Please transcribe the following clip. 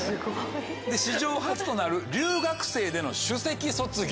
史上初となる留学生での首席卒業。